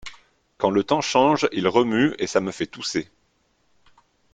Quand le temps change, il remue, et ça me fait tousser.